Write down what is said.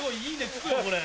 つくよこれ。